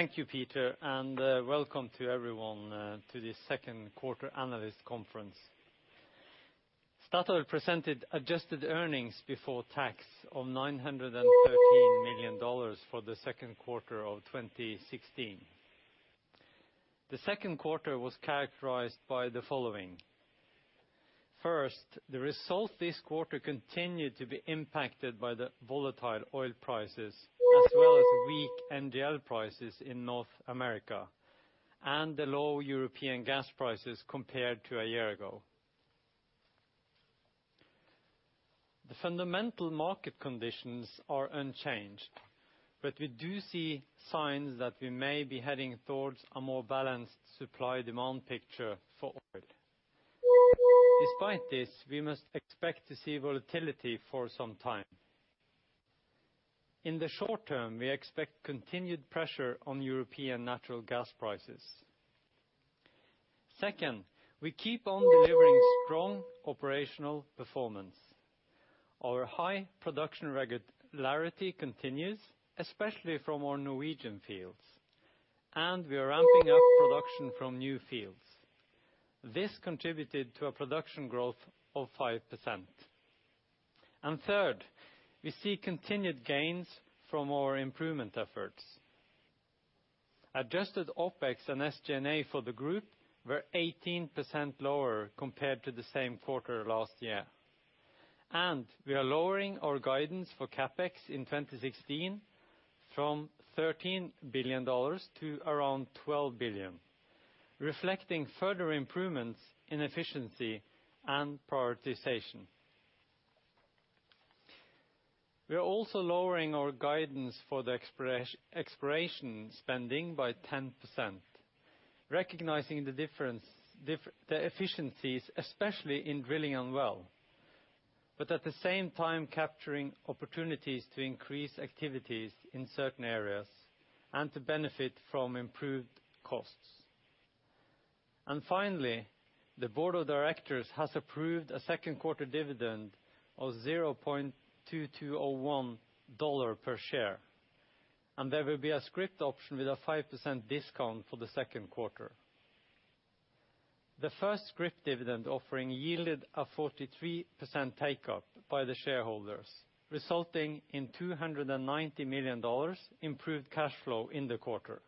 Thank you, Peter, and, welcome to everyone, to this second quarter analyst conference. Statoil presented adjusted earnings before tax of $913 million for the second quarter of 2016. The second quarter was characterized by the following. First, the result this quarter continued to be impacted by the volatile oil prices, as well as weak NGL prices in North America, and the low European gas prices compared to a year ago. The fundamental market conditions are unchanged, but we do see signs that we may be heading towards a more balanced supply-demand picture for oil. Despite this, we must expect to see volatility for some time. In the short term, we expect continued pressure on European natural gas prices. Second, we keep on delivering strong operational performance. Our high production regularity continues, especially from our Norwegian fields, and we are ramping up production from new fields. This contributed to a production growth of 5%. Third, we see continued gains from our improvement efforts. Adjusted OpEx and SG&A for the group were 18% lower compared to the same quarter last year. We are lowering our guidance for CapEx in 2016 from $13 billion to around $12 billion, reflecting further improvements in efficiency and prioritization. We are also lowering our guidance for the exploration spending by 10%, recognizing the differences, the efficiencies, especially in drilling and well, but at the same time capturing opportunities to increase activities in certain areas and to benefit from improved costs. Finally, the board of directors has approved a second quarter dividend of $0.2201 per share, and there will be a scrip option with a 5% discount for the second quarter. The first scrip dividend offering yielded a 43% take-up by the shareholders, resulting in $290 million improved cash flow in the quarter.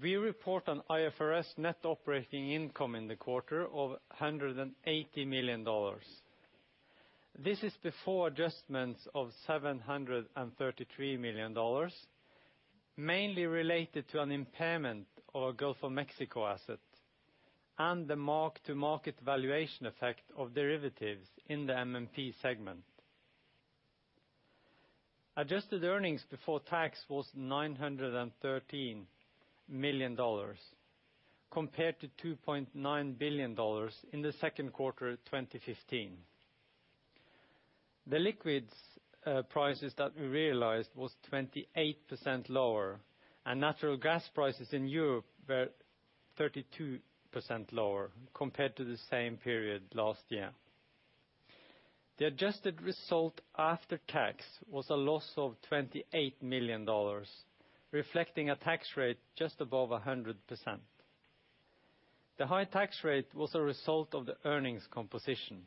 We report an IFRS net operating income in the quarter of $180 million. This is before adjustments of $733 million, mainly related to an impairment of our Gulf of Mexico asset and the mark-to-market valuation effect of derivatives in the MMP segment. Adjusted earnings before tax was $913 million compared to $2.9 billion in the second quarter of 2015. The liquids prices that we realized was 28% lower, and natural gas prices in Europe were 32% lower compared to the same period last year. The adjusted result after tax was a loss of $28 million, reflecting a tax rate just above 100%. The high tax rate was a result of the earnings composition.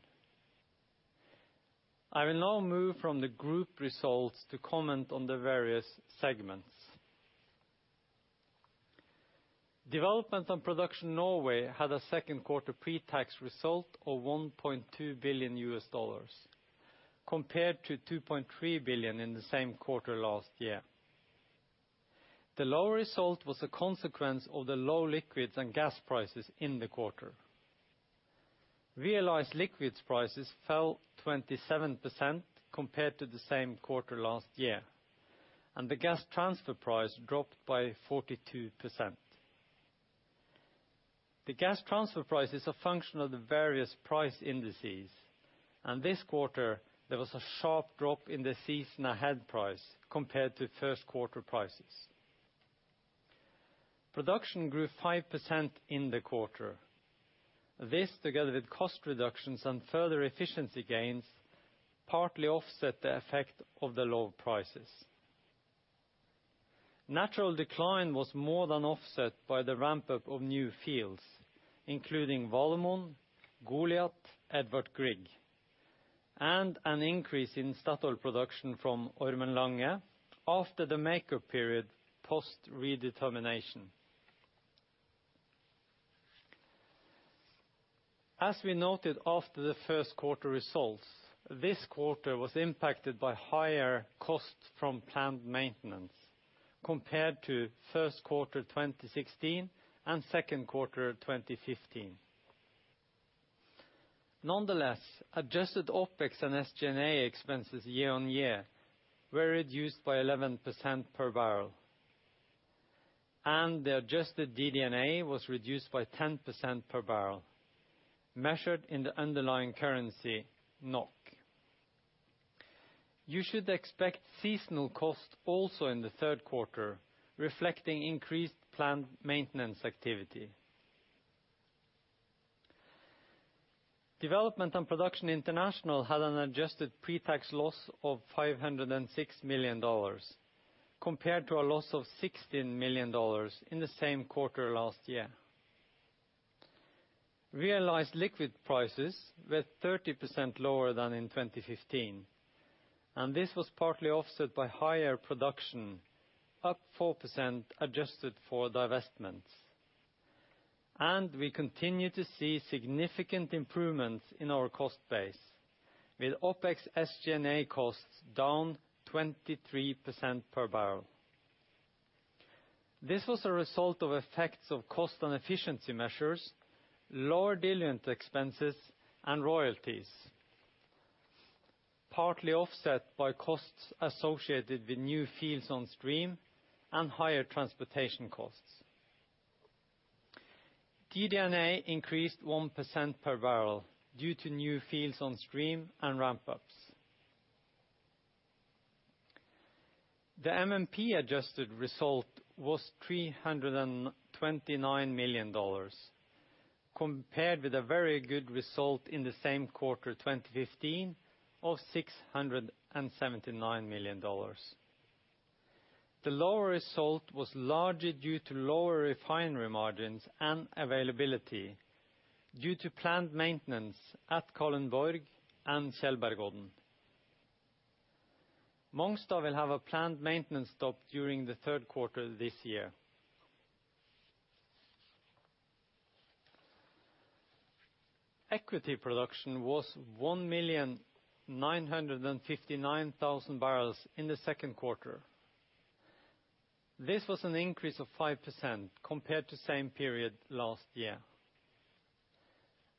I will now move from the group results to comment on the various segments. Development and Production Norway had a second quarter pre-tax result of $1.2 billion compared to $2.3 billion in the same quarter last year. The lower result was a consequence of the low liquids and gas prices in the quarter. Realized liquids prices fell 27% compared to the same quarter last year, and the gas transfer price dropped by 42%. The gas transfer price is a function of the various price indices, and this quarter there was a sharp drop in the season ahead price compared to first quarter prices. Production grew 5% in the quarter. This together with cost reductions and further efficiency gains partly offset the effect of the low prices. Natural decline was more than offset by the ramp-up of new fields, including Valemon, Goliat, Edvard Grieg, and an increase in Statoil production from Ormen Lange after the make-up period post-redetermination. As we noted after the first quarter results, this quarter was impacted by higher costs from plant maintenance compared to first quarter of 2016 and second quarter of 2015. Nonetheless, adjusted OpEx and SG&A expenses year-on-year were reduced by 11% per barrel, and the adjusted DD&A was reduced by 10% per barrel, measured in the underlying currency NOK. You should expect seasonal costs also in the third quarter, reflecting increased plant maintenance activity. Development and production international had an adjusted pretax loss of $506 million compared to a loss of $16 million in the same quarter last year. Realized liquid prices were 30% lower than in 2015, and this was partly offset by higher production, up 4% adjusted for divestments. We continue to see significant improvements in our cost base with OpEx SG&A costs down 23% per barrel. This was a result of effects of cost and efficiency measures, lower diluent expenses and royalties, partly offset by costs associated with new fields on stream and higher transportation costs. DD&A increased 1% per barrel due to new fields on stream and ramp ups. The MMP adjusted result was $329 million compared with a very good result in the same quarter 2015 of $679 million. The lower result was largely due to lower refinery margins and availability due to plant maintenance at Kalundborg and Slagen. Mongstad will have a plant maintenance stop during the third quarter this year. Equity production was 1,959,000 barrels in the second quarter. This was an increase of 5% compared to same period last year.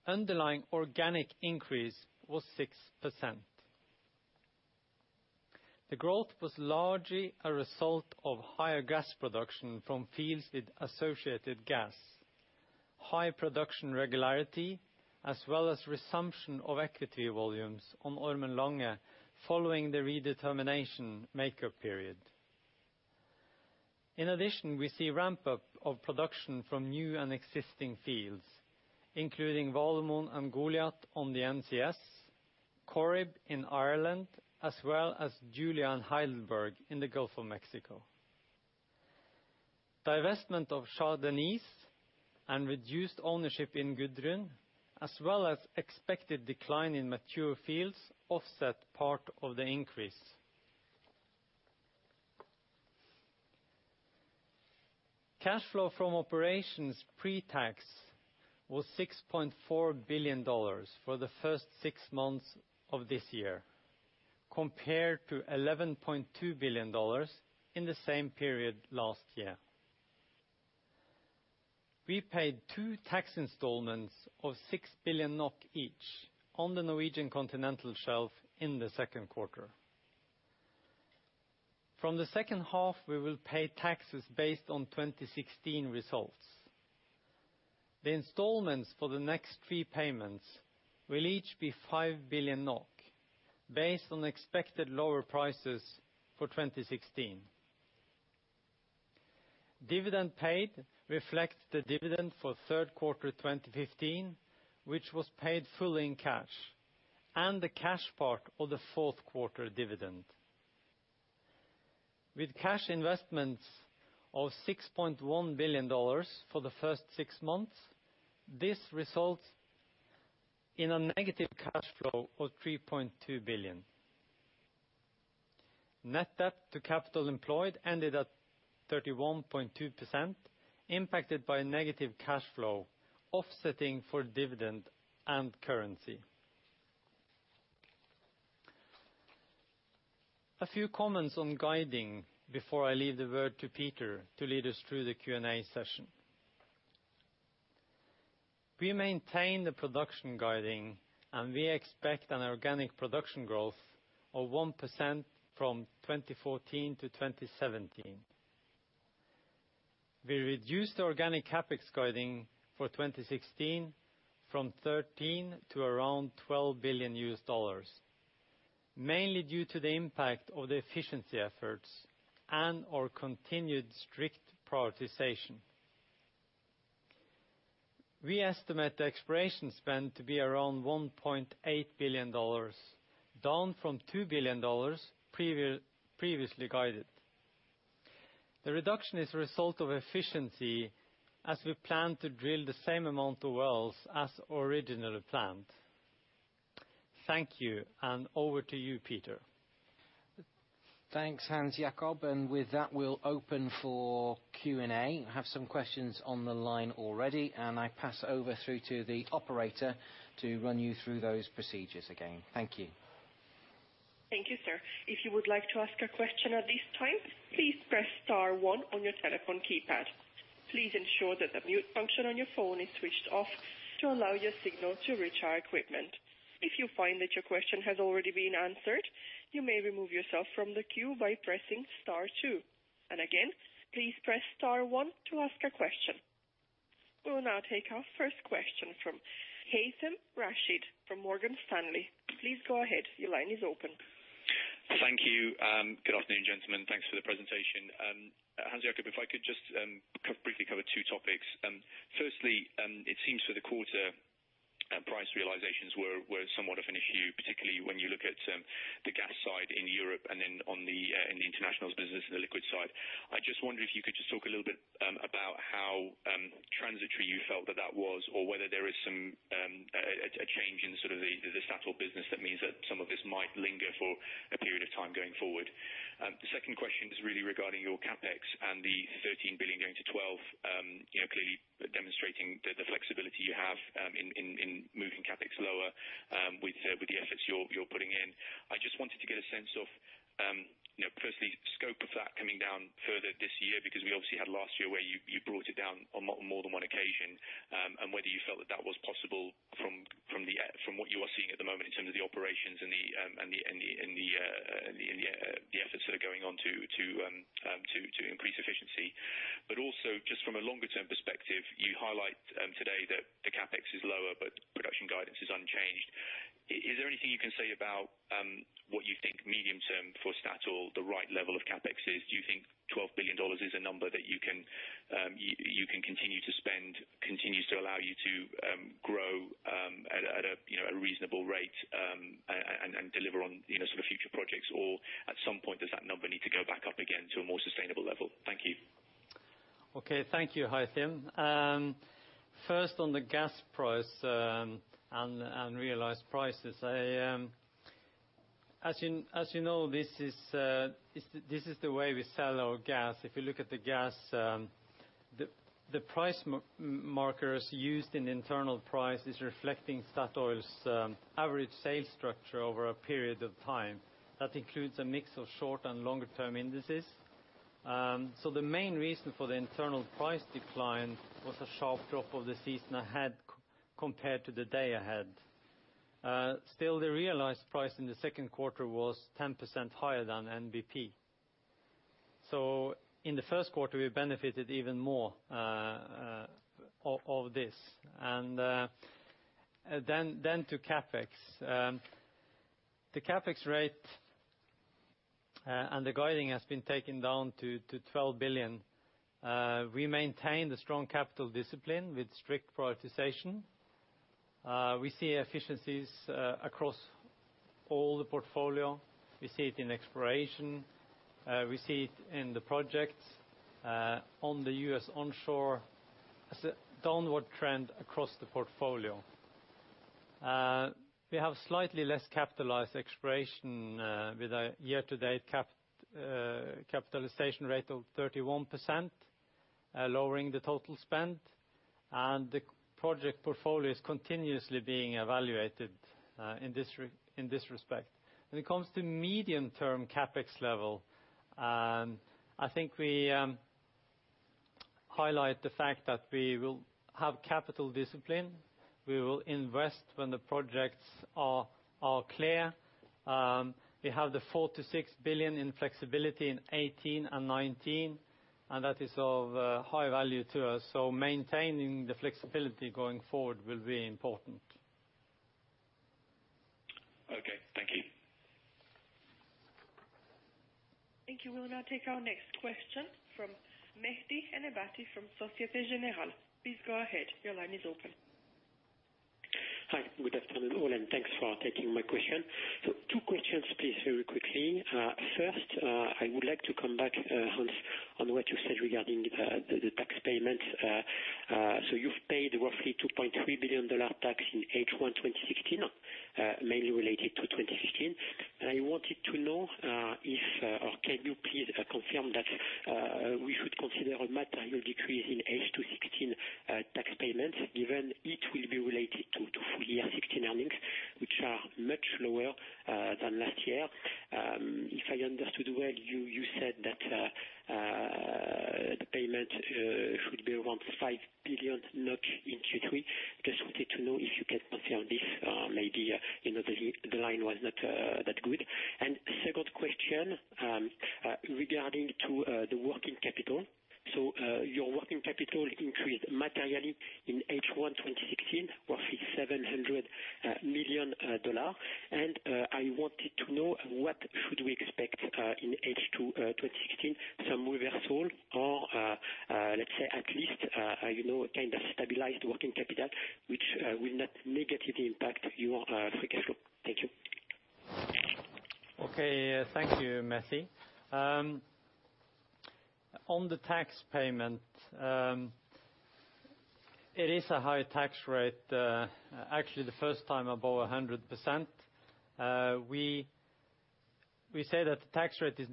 Underlying organic increase was 6%. The growth was largely a result of higher gas production from fields with associated gas, high production regularity, as well as resumption of equity volumes on Ormen Lange following the redetermination makeup period. In addition, we see ramp up of production from new and existing fields, including Valemon and Goliat on the NCS, Corrib in Ireland, as well as Julia and Heidelberg in the Gulf of Mexico. Divestment of Shah Deniz and reduced ownership in Gudrun, as well as expected decline in mature fields offset part of the increase. Cash flow from operations pre-tax was $6.4 billion for the first six months of this year, compared to $11.2 billion in the same period last year. We paid two tax installments of 6 billion NOK each on the Norwegian Continental Shelf in the second quarter. From the second half, we will pay taxes based on 2016 results. The installments for the next three payments will each be 5 billion NOK based on expected lower prices for 2016. Dividend paid reflects the dividend for third quarter 2015, which was paid fully in cash and the cash part of the fourth quarter dividend. With cash investments of $6.1 billion for the first six months, this results in a negative cash flow of $3.2 billion. Net debt to capital employed ended at 31.2%, impacted by negative cash flow offsetting for dividend and currency. A few comments on guiding before I leave the word to Peter to lead us through the Q&A session. We maintain the production guiding and we expect an organic production growth of 1% from 2014 to 2017. We reduced organic CapEx guiding for 2016 from $13 billion to around $12 billion, mainly due to the impact of the efficiency efforts and our continued strict prioritization. We estimate the exploration spend to be around $1.8 billion, down from $2 billion previously guided. The reduction is a result of efficiency as we plan to drill the same amount of wells as originally planned. Thank you, and over to you, Peter. Thanks, Hans Jakob. With that, we'll open for Q&A. I have some questions on the line already, and I pass it over to the operator to run you through those procedures again. Thank you. Thank you, sir. If you would like to ask a question at this time, please press star one on your telephone keypad. Please ensure that the mute function on your phone is switched off to allow your signal to reach our equipment. If you find that your question has already been answered, you may remove yourself from the queue by pressing star two. Again, please press star one to ask a question. We will now take our first question from Haythem Rashed from Morgan Stanley. Please go ahead. Your line is open. Thank you. Good afternoon, gentlemen. Thanks for the presentation. Hans Jakob Hegge, if I could just briefly cover two topics. Firstly, it seems for the quarter, price realizations were somewhat of an issue, particularly when you look at the gas side in Europe and then in the international business and the liquids side. I just wonder if you could just talk a little bit about how transitory you felt that was, or whether there is some a change in sort of the Equinor business that means that some of this might linger for a period of time going forward. The second question is really regarding your CapEx and the $13 billion-$12 billion, you know, clearly demonstrating the flexibility you have in moving CapEx lower with the efforts you're putting in. I just wanted to get a sense of, you know, firstly, scope of that coming down further this year because we obviously had last year where you brought it down on more than one occasion, and whether you felt that was possible from what you are seeing at the moment in terms of the operations and the efforts that are going on to increase efficiency. Just from a longer-term perspective, you highlight today that the CapEx is lower, but production guidance is unchanged. Is there anything you can say about what you think medium-term for Statoil, the right level of CapEx is? Do you think $12 billion is a number that you can continue to spend, continues to allow you to grow at a reasonable rate and deliver on, you know, sort of future projects? Or at some point, does that number need to go back up again to a more sustainable level? Thank you. Okay. Thank you, Haythem. First on the gas price and realized prices. As you know, this is the way we sell our gas. If you look at the gas, the price markers used in internal price is reflecting Statoil's average sales structure over a period of time. That includes a mix of short and longer-term indices. The main reason for the internal price decline was a sharp drop of the season ahead compared to the day ahead. Still, the realized price in the second quarter was 10% higher than NBP. In the first quarter, we benefited even more of this. Then to CapEx. The CapEx rate and the guiding has been taken down to $12 billion. We maintain the strong capital discipline with strict prioritization. We see efficiencies across all the portfolio. We see it in exploration, we see it in the projects, on the U.S. onshore, seeing a downward trend across the portfolio. We have slightly less capitalized exploration, with a year-to-date CapEx capitalization rate of 31%, lowering the total spend, and the project portfolio is continuously being evaluated, in this respect. When it comes to medium-term CapEx level, I think we highlight the fact that we will have capital discipline. We will invest when the projects are clear. We have the $4 billion-$6 billion in flexibility in 2018 and 2019, and that is of high value to us. Maintaining the flexibility going forward will be important. Okay. Thank you. Thank you. We'll now take our next question from Mehdi Ennebati from Société Générale. Please go ahead. Your line is open. Good afternoon, all, and thanks for taking my question. Two questions, please, very quickly. First, I would like to come back, Hans, on what you said regarding the tax payments. You've paid roughly $2.3 billion in tax in H1 2016, mainly related to 2015. I wanted to know, or can you please confirm that we should consider a material decrease in H2 2016 tax payments, given it will be related to full year 2016 earnings, which are much lower than last year. If I understood well, you said that the payment should be around 5 billion NOK in Q3. Just wanted to know if you can confirm this. Maybe you know, the line was not that good. Second question regarding the working capital. Your working capital increased materially in H1 2016, roughly $700 million. I wanted to know what should we expect in H2 2016, some reversal or let's say at least you know a kind of stabilized working capital which will not negatively impact your free cash flow. Thank you. Okay. Thank you, Mehdi. On the tax payment, it is a high tax rate, actually the first time above 100%. We say that the tax rate is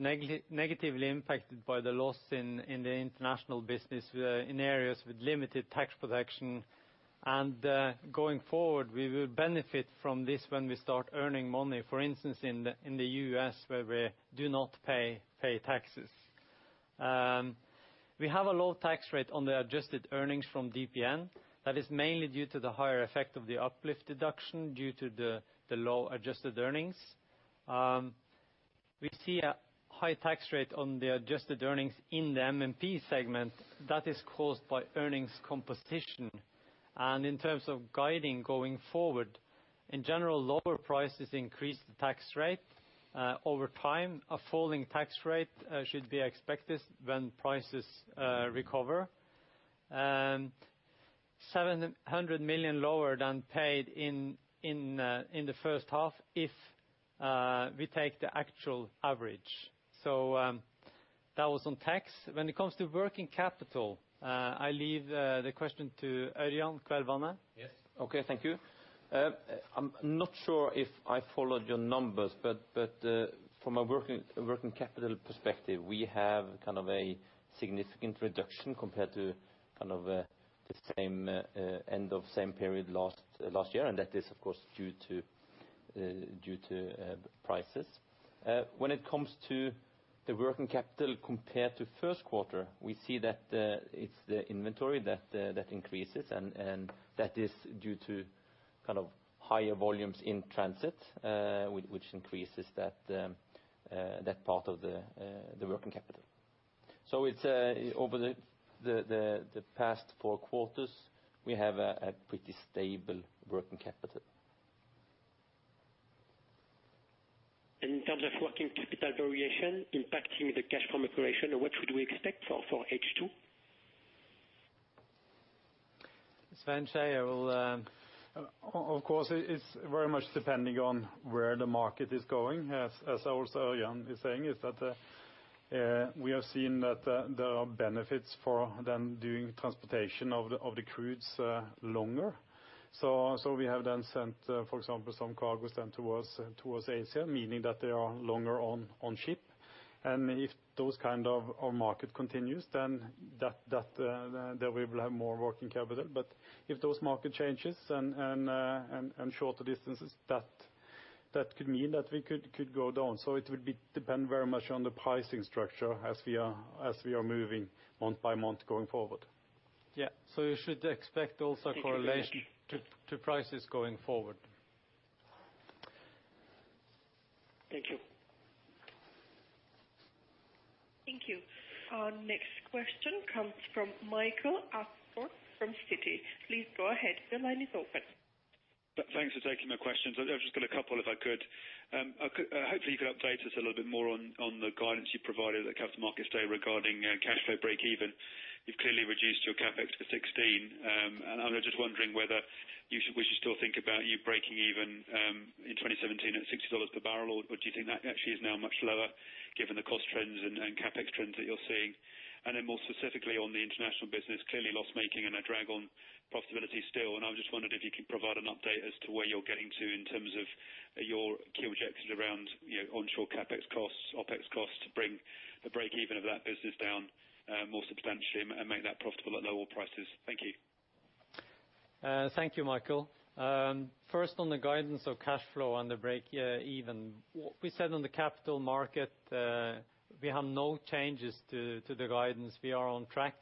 negatively impacted by the loss in the international business, in areas with limited tax protection. Going forward, we will benefit from this when we start earning money, for instance, in the U.S. where we do not pay taxes. We have a low tax rate on the adjusted earnings from DPN. That is mainly due to the higher effect of the uplift deduction due to the low adjusted earnings. We see a high tax rate on the adjusted earnings in the MMP segment, that is caused by earnings composition. In terms of guiding going forward, in general, lower prices increase the tax rate, over time. A falling tax rate should be expected when prices recover. 700 million lower than paid in the first half if we take the actual average. That was on tax. When it comes to working capital, I leave the question to Ørjan Kvelvane. Yes. Okay, thank you. I'm not sure if I followed your numbers, but from a working capital perspective, we have kind of a significant reduction compared to kind of the same end of same period last year. That is of course due to prices. When it comes to the working capital compared to first quarter, we see that it's the inventory that increases and that is due to kind of higher volumes in transit, which increases that part of the working capital. It's over the past four quarters, we have a pretty stable working capital. In terms of working capital variation impacting the cash from operation, what would we expect for H2? Svein Skeie, I will. Of course, it's very much depending on where the market is going. As also Ørjan Kvelvane is saying, we have seen that there are benefits for them doing transportation of the crudes longer. We have then sent, for example, some cargos then towards Asia, meaning that they are longer on ship. If those kind of market continues, then we will have more working capital. If those market changes and shorter distances, that could mean that we could go down. It would depend very much on the pricing structure as we are moving month by month going forward. Yeah. You should expect also correlation to prices going forward. Thank you. Thank you. Our next question comes from Michael Alsford from Citi. Please go ahead. The line is open. Thanks for taking my questions. I've just got a couple if I could. Hopefully, you could update us a little bit more on the guidance you provided at Capital Markets Day regarding cash flow breakeven. You've clearly reduced your CapEx for 2016, and I was just wondering whether we should still think about you breaking even in 2017 at $60 per barrel, or do you think that actually is now much lower given the cost trends and CapEx trends that you're seeing? More specifically on the international business, clearly loss-making and a drag on profitability still. I was just wondering if you could provide an update as to where you're getting to in terms of your key objectives around, you know, onshore CapEx costs, OpEx costs to bring the breakeven of that business down more substantially and make that profitable at lower prices. Thank you. Thank you, Michael. First on the guidance of cash flow and the break even. What we said on the capital market, we have no changes to the guidance. We are on track.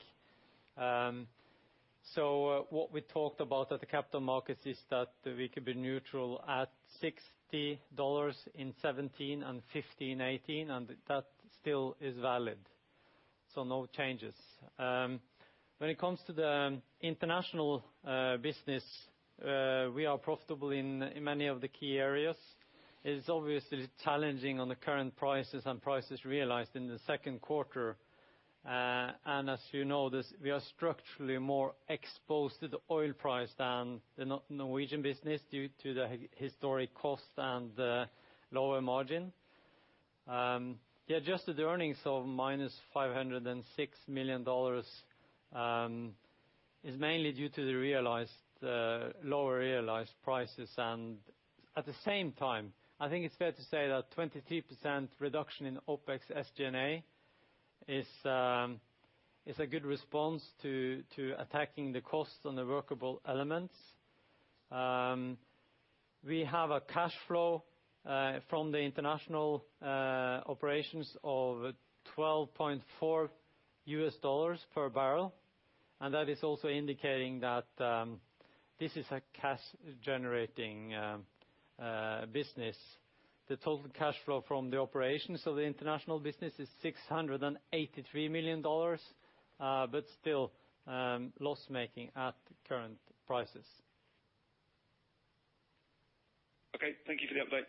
What we talked about at the capital markets is that we could be neutral at $60 in 2017 and 2018, and that still is valid. No changes. When it comes to the international business, we are profitable in many of the key areas. It is obviously challenging on the current prices and prices realized in the second quarter. As you know this, we are structurally more exposed to the oil price than the Norwegian business due to the historic cost and the lower margin. The adjusted earnings of -$506 million is mainly due to lower realized prices. At the same time, I think it's fair to say that 23% reduction in OpEx & SG&A is a good response to attacking the costs on the workable elements. We have a cash flow from the international operations of $12.4 per barrel, and that is also indicating that this is a cash-generating business. The total cash flow from the operations of the international business is $683 million, but still loss-making at current prices. Okay. Thank you for the update.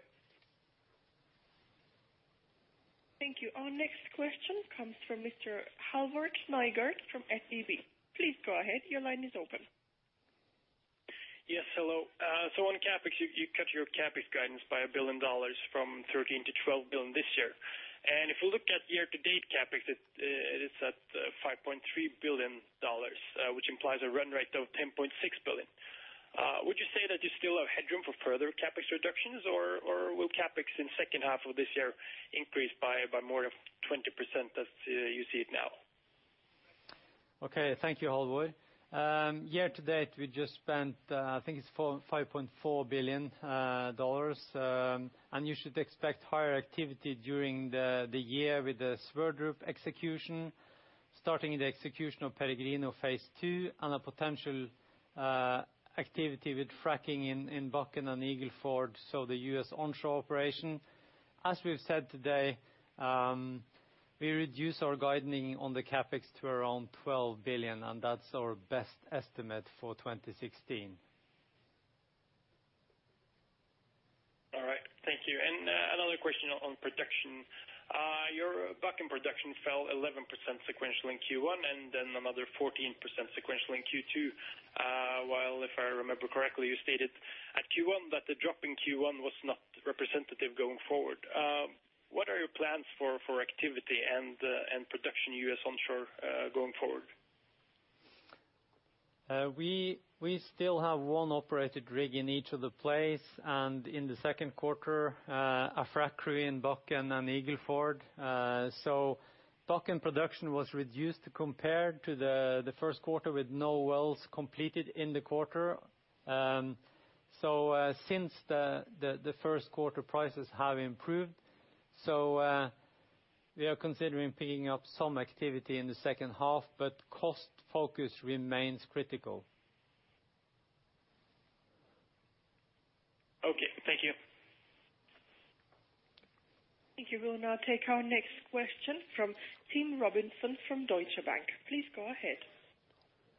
Thank you. Our next question comes from Mr. Halvor Nygård from SEB. Please go ahead. Your line is open. Yes, hello. So on CapEx, you cut your CapEx guidance by $1 billion from $13 billion to $12 billion this year. If we look at year-to-date CapEx, it is at $5.3 billion, which implies a run rate of $10.6 billion. Would you say that you still have headroom for further CapEx reductions, or will CapEx in second half of this year increase by more than 20% as you see it now? Okay, thank you, Halvor. Year-to-date, we just spent, I think it's $5.4 billion. You should expect higher activity during the year with the Sverdrup execution, starting the execution of Peregrino phase II and a potential activity with fracking in Bakken and Eagle Ford, so the U.S. onshore operation. As we've said today, we reduce our guidance on the CapEx to around $12 billion, and that's our best estimate for 2016. All right. Thank you. Another question on production. Your Bakken production fell 11% sequentially in Q1 and then another 14% sequentially in Q2. While, if I remember correctly, you stated at Q1 that the drop in Q1 was not representative going forward. What are your plans for activity and production U.S. onshore going forward? We still have one operated rig in each of the places, and in the second quarter, a frack crew in Bakken and Eagle Ford. Bakken production was reduced compared to the first quarter with no wells completed in the quarter. Since the first quarter, prices have improved. We are considering picking up some activity in the second half, but cost focus remains critical. Okay. Thank you. Thank you. We'll now take our next question from Tom Robinson from Deutsche Bank. Please go ahead.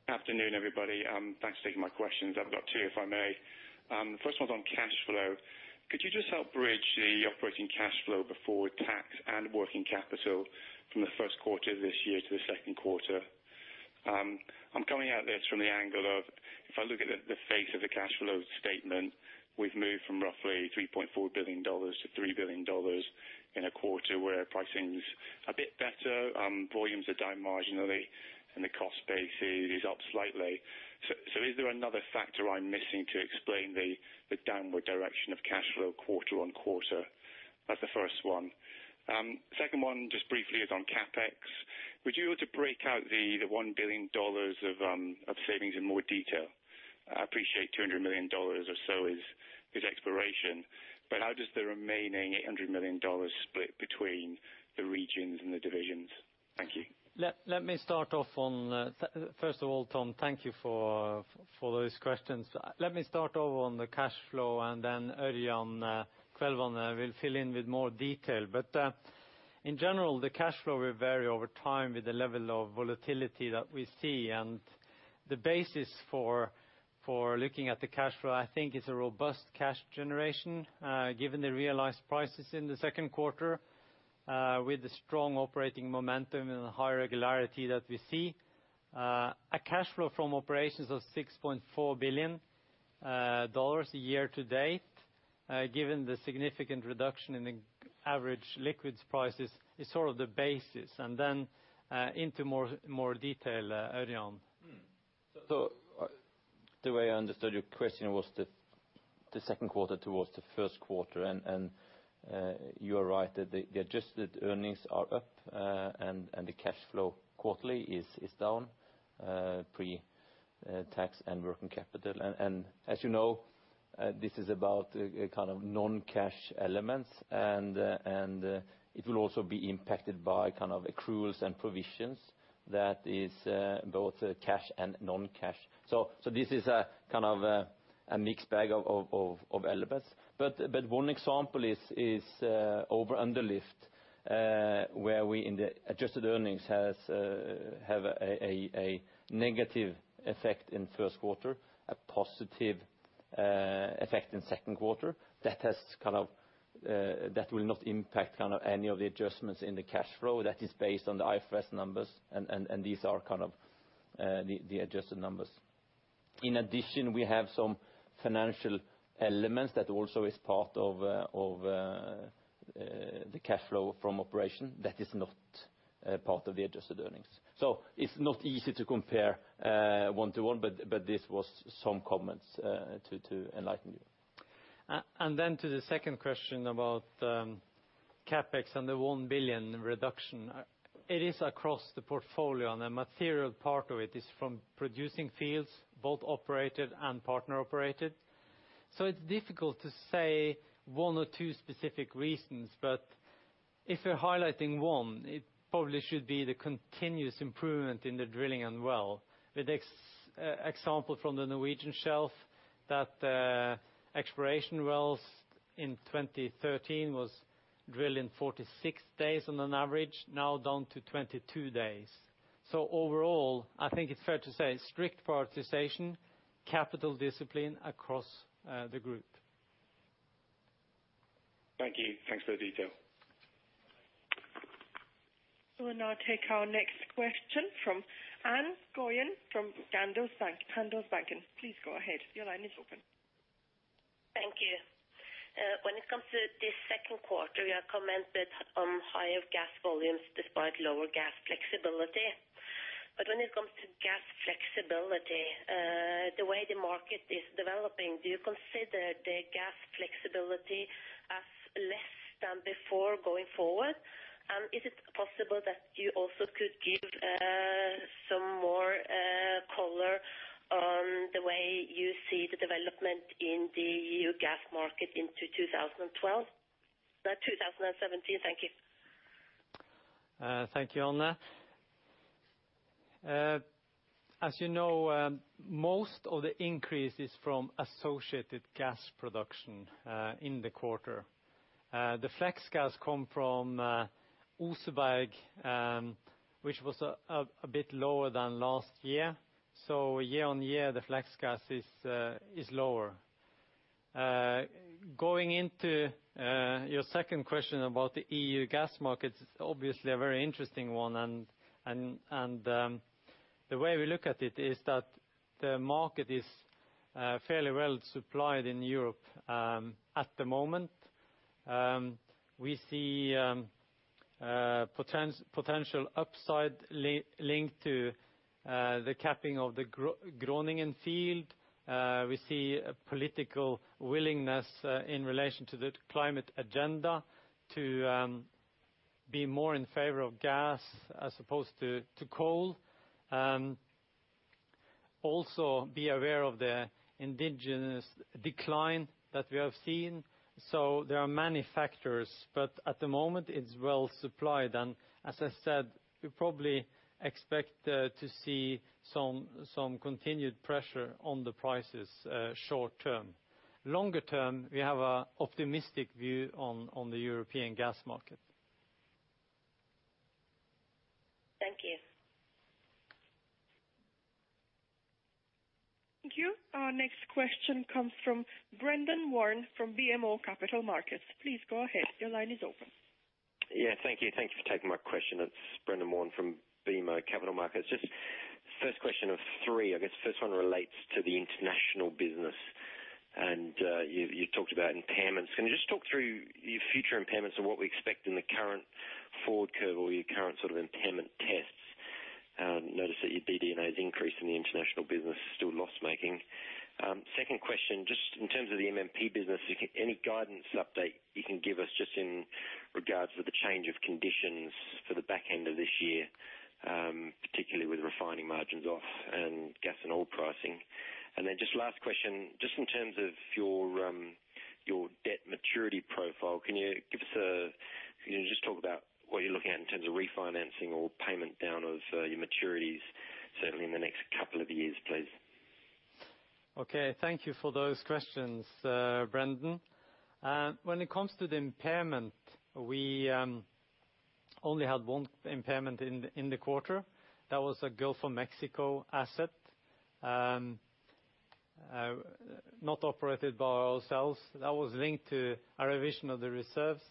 Afternoon, everybody. Thanks for taking my questions. I've got two, if I may. The first one's on cash flow. Could you just help bridge the operating cash flow before tax and working capital from the first quarter of this year to the second quarter? I'm coming at this from the angle of, if I look at the face of the cash flow statement, we've moved from roughly $3.4 billion to $3 billion in a quarter where pricing's a bit better, volumes are down marginally, and the cost base is up slightly. So is there another factor I'm missing to explain the downward direction of cash flow quarter on quarter? That's the first one. Second one, just briefly, is on CapEx. Would you be able to break out the $1 billion of savings in more detail? I appreciate $200 million or so is exploration, but how does the remaining $800 million split between the regions and the divisions? Thank you. Let me start off on first of all, Tom, thank you for those questions. Let me start over on the cash flow and then Ørjan Kvelvane will fill in with more detail. In general, the cash flow will vary over time with the level of volatility that we see. The basis for looking at the cash flow, I think is a robust cash generation, given the realized prices in the second quarter, with the strong operating momentum and the high regularity that we see. A cash flow from operations of $6.4 billion year to date, given the significant reduction in the average liquids prices is sort of the basis. Then, into more detail, Ørjan. The way I understood your question was the second quarter towards the first quarter. You are right that the adjusted earnings are up, and the cash flow quarterly is down pre-tax and working capital. As you know, this is about kind of non-cash elements. It will also be impacted by kind of accruals and provisions that is both cash and non-cash. This is a kind of a mixed bag of elements. One example is over underlift, where we in the adjusted earnings have a negative effect in first quarter, a positive effect in second quarter. That will not impact kind of any of the adjustments in the cash flow that is based on the IFRS numbers. These are kind of the adjusted numbers. In addition, we have some financial elements that also is part of the cash flow from operation that is not part of the adjusted earnings. It's not easy to compare one to one, but this was some comments to enlighten you. To the second question about CapEx and the $1 billion reduction. It is across the portfolio, and a material part of it is from producing fields, both operated and partner operated. It's difficult to say one or two specific reasons. If you're highlighting one, it probably should be the continuous improvement in the drilling and well. With example from the Norwegian shelf that exploration wells in 2013 was drilling 46 days on an average, now down to 22 days. Overall, I think it's fair to say strict prioritization, capital discipline across the group. Thank you. Thanks for the detail. We will now take our next question from Ann Gjøen from Handelsbanken. Please go ahead. Your line is open. Thank you. When it comes to the second quarter, you have commented on higher gas volumes despite lower gas flexibility. When it comes to gas flexibility, the way the market is developing, do you consider the gas flexibility as less than before going forward? Is it possible that you also could give, anyway, you see the development in the EU gas market into 2012, 2017. Thank you. Thank you, Ann. As you know, most of the increase is from associated gas production in the quarter. The flex gas come from Oseberg, which was a bit lower than last year. Year-over-year, the flex gas is lower. Going into your second question about the EU gas markets, obviously a very interesting one and the way we look at it is that the market is fairly well supplied in Europe at the moment. We see potential upside linked to the capping of the Groningen field. We see a political willingness in relation to the climate agenda to be more in favor of gas as opposed to coal. Also be aware of the indigenous decline that we have seen. There are many factors, but at the moment it's well supplied. As I said, we probably expect to see some continued pressure on the prices, short-term. Longer-term, we have a optimistic view on the European gas market. Thank you. Thank you. Our next question comes from Brendan Warn from BMO Capital Markets. Please go ahead. Your line is open. Yeah. Thank you. Thank you for taking my question. It's Brendan Warn from BMO Capital Markets. Just first question of three, I guess first one relates to the international business. You talked about impairments. Can you just talk through your future impairments and what we expect in the current forward curve or your current sort of impairment tests? Notice that your DD&A has increased and the international business is still loss-making. Second question, just in terms of the MMP business, any guidance update you can give us just in regards to the change of conditions for the back end of this year, particularly with refining margins off and gas and oil pricing? Last question, just in terms of your debt maturity profile, can you give us a, can you just talk about what you're looking at in terms of refinancing or payment down of your maturities certainly in the next couple of years, please? Okay. Thank you for those questions, Brendan Warn. When it comes to the impairment, we only had one impairment in the quarter. That was a Gulf of Mexico asset not operated by ourselves. That was linked to a revision of the reserves.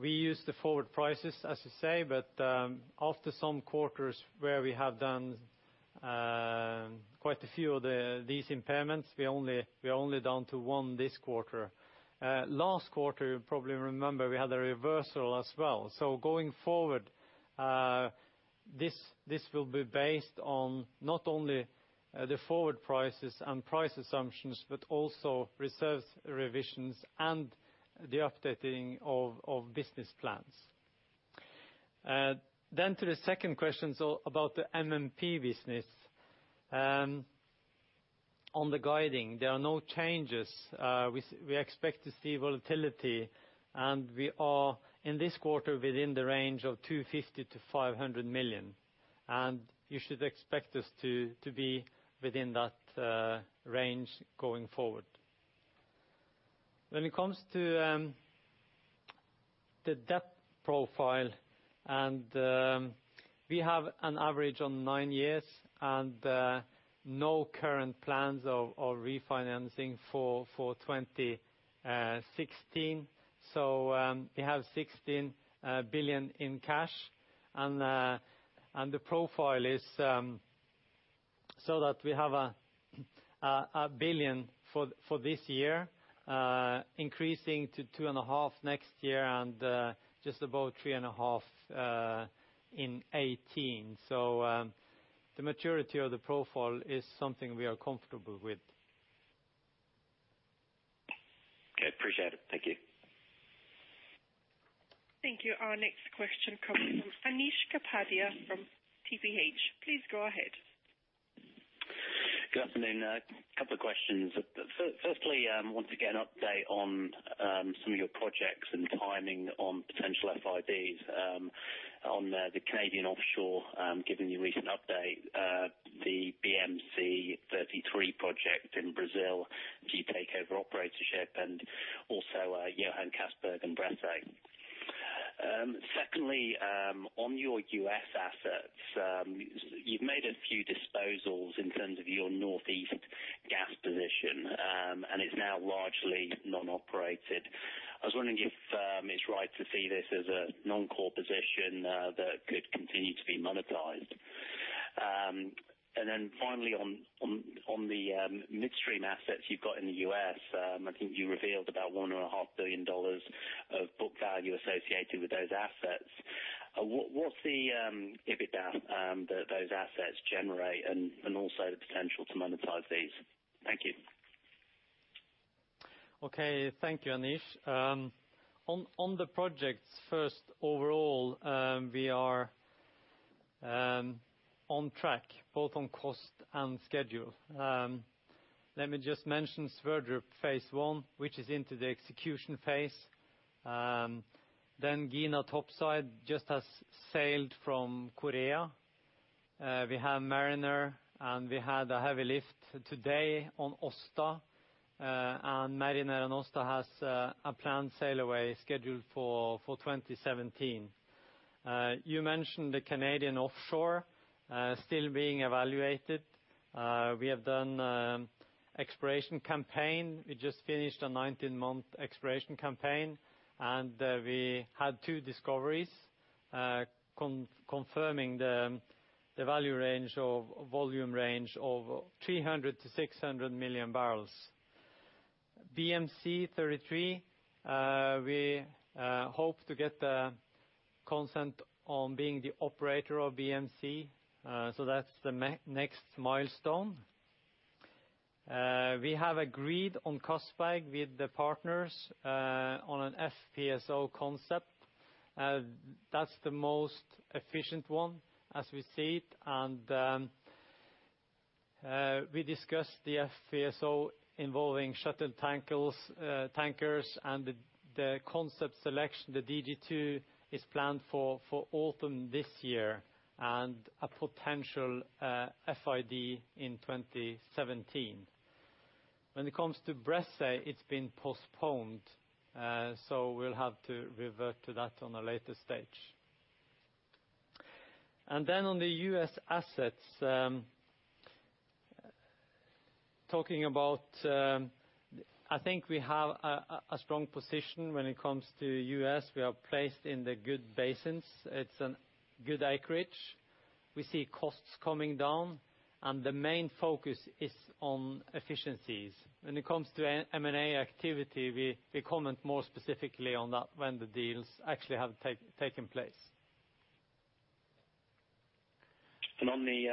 We use the forward prices, as you say, but after some quarters where we have done quite a few of these impairments, we are only down to one this quarter. Last quarter, you probably remember we had a reversal as well. Going forward, this will be based on not only the forward prices and price assumptions, but also reserves revisions and the updating of business plans. To the second question, about the MMP business. On the guidance, there are no changes. We expect to see volatility, and we are in this quarter within the range of $250 million-$500 million, and you should expect us to be within that range going forward. When it comes to the debt profile and we have an average of nine years and no current plans for refinancing for 2016. We have $16 billion in cash, and the profile is so that we have $1 billion for this year, increasing to $2.5 billion next year and just about $3.5 billion in 2018. The maturity of the profile is something we are comfortable with. Okay. Appreciate it. Thank you. Thank you. Our next question comes from Anish Kapadia from TPH. Please go ahead. Good afternoon. A couple of questions. Firstly, want to get an update on some of your projects and timing on potential FIDs on the Canadian offshore, given your recent update, the BMC 33 project in Brazil, key takeover operatorship, and also Johan Castberg and Bressay. Secondly, on your U.S. assets, you've made a few disposals in terms of your Northeast gas position, and it's now largely non-operated. I was wondering if it's right to see this as a non-core position that could continue to be monetized. Finally on the midstream assets you've got in the U.S., I think you revealed about $1.5 billion of book value associated with those assets. What's the EBITDA that those assets generate and also the potential to monetize these? Thank you. Okay, thank you, Anish. On the projects first overall, we are on track both on cost and schedule. Let me just mention Sverdrup phase one, which is into the execution phase. Gina Krog topside just has sailed from Korea. We have Mariner and we had a heavy lift today on Aasta. Mariner and Aasta has a planned sail away scheduled for 2017. You mentioned the Canadian offshore still being evaluated. We have done exploration campaign. We just finished a 19-month exploration campaign, and we had two discoveries, confirming the value range of volume range of 300 million-600 million barrels. BMC-33, we hope to get the consent on being the operator of BMC, so that's the next milestone. We have agreed on cost bank with the partners on an FPSO concept. That's the most efficient one as we see it. We discussed the FPSO involving shuttle tankers and the concept selection. The DG2 is planned for autumn this year and a potential FID in 2017. When it comes to Bressay, it's been postponed, so we'll have to revert to that on a later stage. On the U.S. assets, talking about, I think we have a strong position when it comes to the U.S. We are placed in the good basins. It's a good acreage. We see costs coming down, and the main focus is on efficiencies. When it comes to an M&A activity, we comment more specifically on that when the deals actually have taken place. On the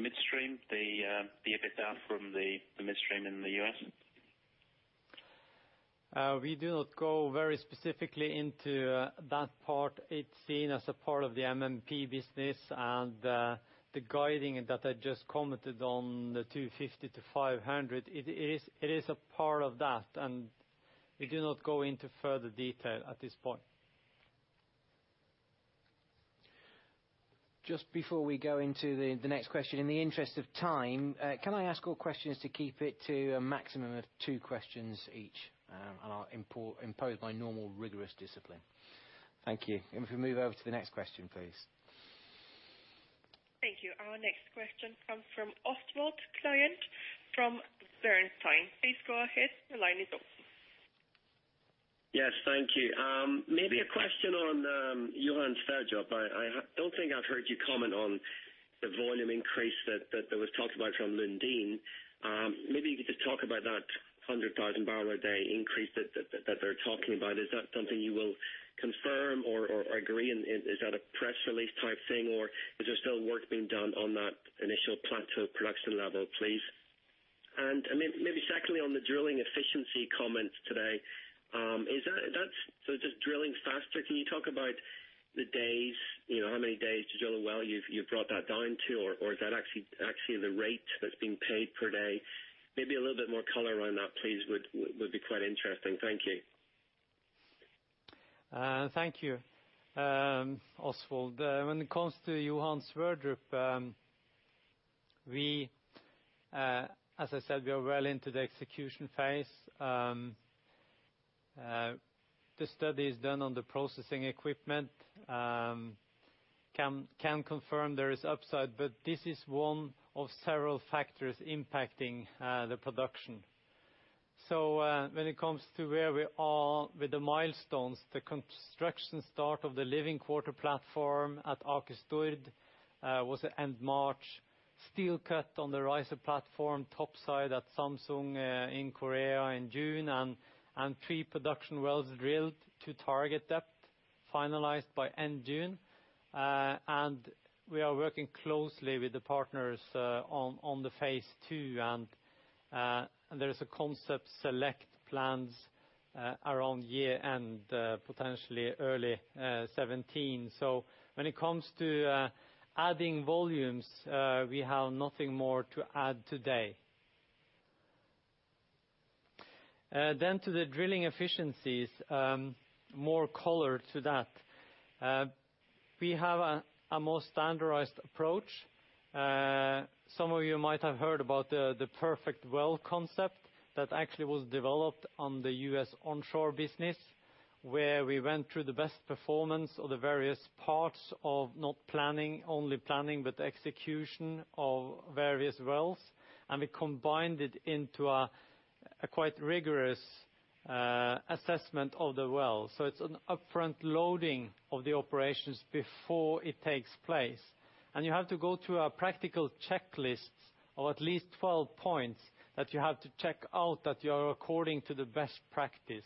midstream, the EBITDA from the midstream in the U.S.? We do not go very specifically into that part. It's seen as a part of the MMP business and the guiding that I just commented on, the 250 million-500 million, it is a part of that, and we do not go into further detail at this point. Just before we go into the next question, in the interest of time, can I ask all questions to keep it to a maximum of two questions each, and I'll impose my normal rigorous discipline. Thank you. If we move over to the next question, please. Thank you. Our next question comes from Oswald Clint from Bernstein. Please go ahead. The line is open. Yes, thank you. Maybe a question on Johan Sverdrup. I don't think I've heard you comment on the volume increase that there was talked about from Lundin. Maybe you could just talk about that 100,000 barrel a day increase that they're talking about. Is that something you will confirm or agree? Is that a press release type thing, or is there still work being done on that initial plateau production level, please? Maybe secondly, on the drilling efficiency comments today, is that just drilling faster. Can you talk about the days, you know, how many days to drill a well you've brought that down to or is that actually the rate that's being paid per day? Maybe a little bit more color around that, please, would be quite interesting. Thank you. Thank you, Oswald. When it comes to Johan Sverdrup, as I said, we are well into the execution phase. The study is done on the processing equipment. Can confirm there is upside, but this is one of several factors impacting the production. When it comes to where we are with the milestones, the construction start of the living quarter platform at Ågotstøl was end March. Steel cut on the riser platform topside at Samsung in Korea in June, and three production wells drilled to target depth finalized by end June. We are working closely with the partners on the phase II. There is a concept select plans around year-end, potentially early 2017. When it comes to adding volumes, we have nothing more to add today. To the drilling efficiencies, more color to that. We have a more standardized approach. Some of you might have heard about the perfect well concept that actually was developed on the U.S. onshore business, where we went through the best performance of the various parts of not only planning, but execution of various wells. We combined it into a quite rigorous assessment of the well. It's an upfront loading of the operations before it takes place. You have to go through a practical checklist of at least 12 points that you have to check out that you are according to the best practice.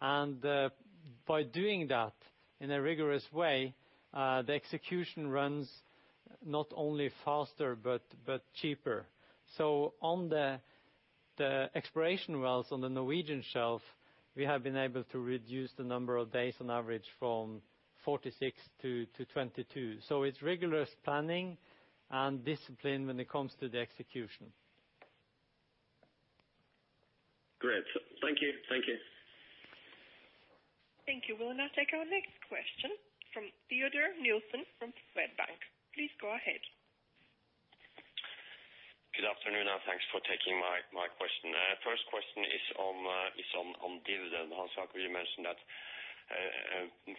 By doing that in a rigorous way, the execution runs not only faster but cheaper. On the exploration wells on the Norwegian shelf, we have been able to reduce the number of days on average from 46 to 22. It's rigorous planning and discipline when it comes to the execution. Great. Thank you. Thank you. Thank you. We'll now take our next question from Teodor Nilsen from Swedbank. Please go ahead. Good afternoon, and thanks for taking my question. First question is on dividend. Hans Jakob, you mentioned that 43%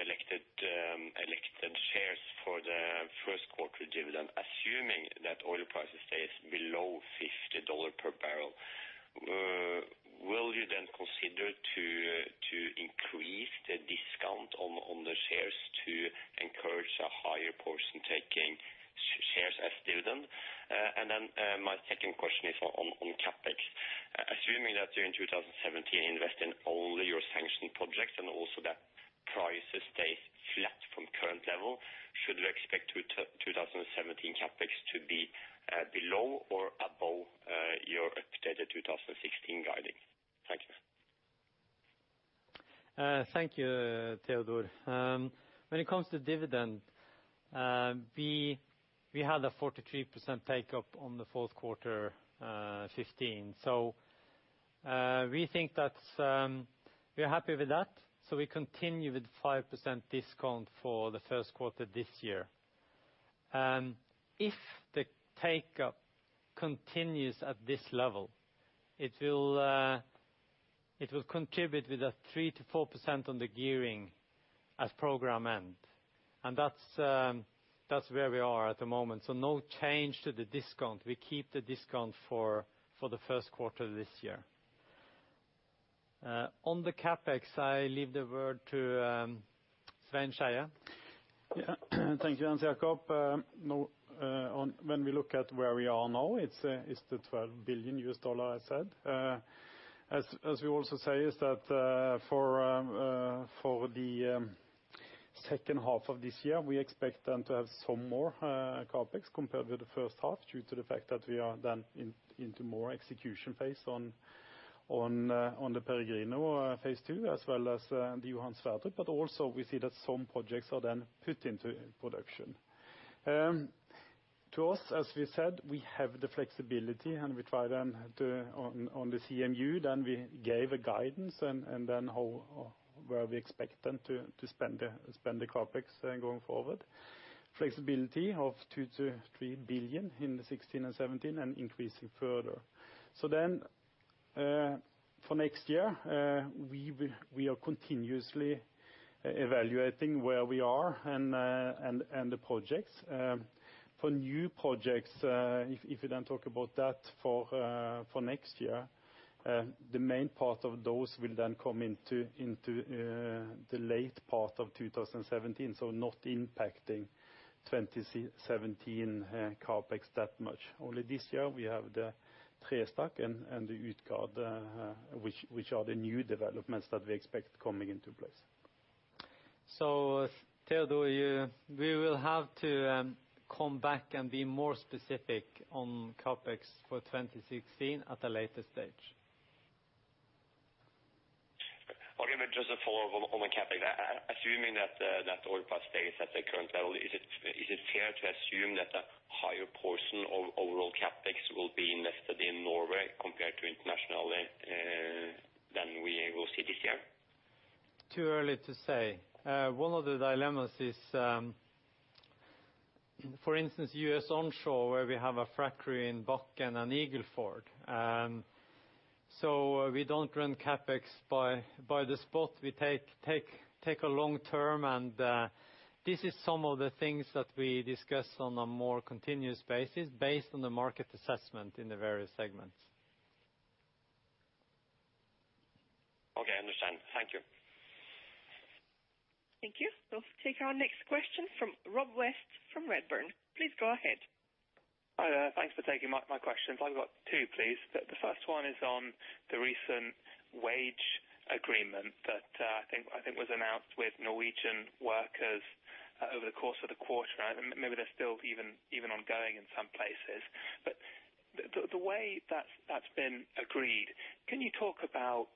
elected shares for the first quarter dividend. Assuming that oil prices stays below $50 per barrel, will you then consider to increase the discount on the shares to encourage a higher portion taking shares as dividend? My second question is on CapEx. Assuming that in 2017 you invest in all your sanctioned projects and also that prices stay flat from current level, should we expect 2017 CapEx to be below or above your updated 2016 guiding? Thank you. Thank you, Teodor. When it comes to dividend, we had a 43% take-up on the fourth quarter 2015. We think that's. We are happy with that. We continue with 5% discount for the first quarter this year. If the take-up continues at this level, it will contribute with a 3%-4% on the gearing as program end. That's where we are at the moment. No change to the discount. We keep the discount for the first quarter this year. On the CapEx, I leave the word to Svein Skeie. Thank you, Hans Jakob. When we look at where we are now, it's the $12 billion I said. As we also say is that, for the second half of this year, we expect then to have some more CapEx compared with the first half due to the fact that we are then into more execution phase on the Peregrino phase II as well as the Johan Sverdrup. Also we see that some projects are then put into production. To us, as we said, we have the flexibility and we try then to on the CMU then we gave a guidance and then how or where we expect then to spend the CapEx then going forward. Flexibility of $2 billion-$3 billion in 2016 and 2017 and increasing further. For next year, we are continuously evaluating where we are and the projects. For new projects, if you then talk about that for next year, the main part of those will then come into the late part of 2017, not impacting 2017 CapEx that much. Only this year we have the Trestakk and the Utgard, which are the new developments that we expect coming into place. Teodor, we will have to come back and be more specific on CapEx for 2016 at a later stage. Just a follow-up on the CapEx. Assuming that oil price stays at the current level, is it fair to assume that a higher portion of overall CapEx will be invested in Norway compared to internationally than we will see this year? Too early to say. One of the dilemmas is, for instance, U.S. onshore, where we have a frack crew in Bakken and Eagle Ford. We don't run CapEx by the spot. We take a long term and this is some of the things that we discuss on a more continuous basis based on the market assessment in the various segments. Okay, understand. Thank you. Thank you. We'll take our next question from Rob West from Redburn. Please go ahead. Hi there. Thanks for taking my questions. I've got two, please. The first one is on the recent wage agreement that I think was announced with Norwegian workers over the course of the quarter. Maybe they're still even ongoing in some places. The way that's been agreed, can you talk about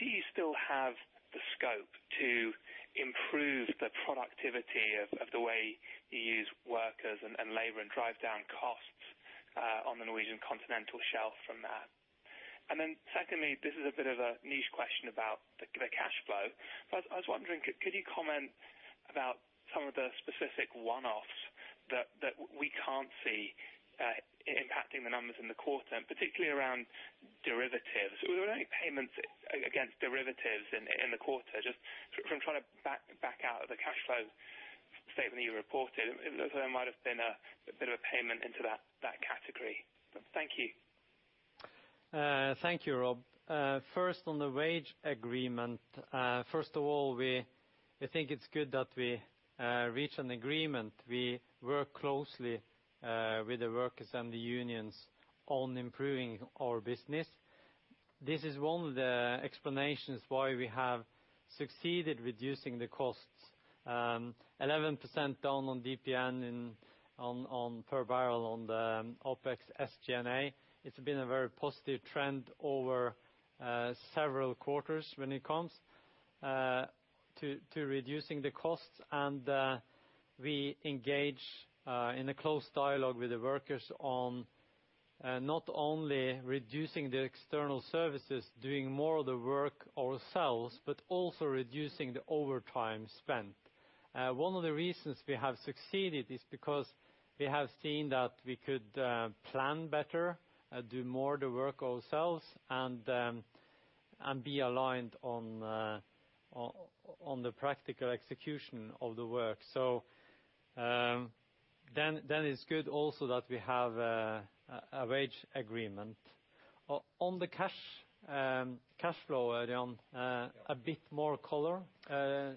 do you still have the scope to improve the productivity of the way you use workers and labor and drive down costs on the Norwegian continental shelf from that? Then secondly, this is a bit of a niche question about the cash flow. I was wondering, could you comment about some of the specific one-offs that we can't see impacting the numbers in the quarter, and particularly around derivatives. Were there any payments against derivatives in the quarter? Just from trying to back out of the cash flow statement you reported, there might have been a bit of a payment into that category. Thank you. Thank you, Rob. First on the wage agreement, first of all, we think it's good that we reach an agreement. We work closely with the workers and the unions on improving our business. This is one of the explanations why we have succeeded reducing the costs 11% down on DPN, on per barrel on the OpEx SG&A. It's been a very positive trend over several quarters when it comes to reducing the costs. We engage in a close dialogue with the workers on not only reducing the external services, doing more of the work ourselves, but also reducing the overtime spent. One of the reasons we have succeeded is because we have seen that we could plan better, do more of the work ourselves, and be aligned on the practical execution of the work. It's good also that we have a wage agreement. On the cash flow area, a bit more color- Yeah.